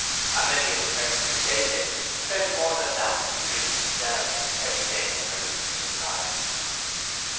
And many of the persons who say this, spend more money than that on drink themselves every day of their useless lives.